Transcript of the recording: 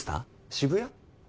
渋谷？